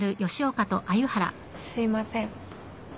すいません。